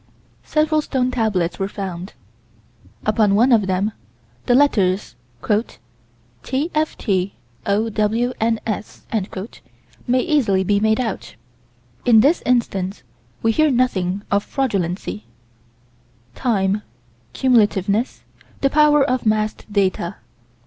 Several stone tablets were found. Upon one of them, the letters "TFTOWNS" may easily be made out. In this instance we hear nothing of fraudulency time, cumulativeness, the power of massed data.